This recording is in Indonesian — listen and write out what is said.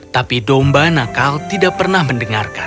tapi domba nakal tidak pernah mendengarkan